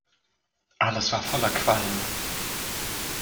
Alles war voller Qualm.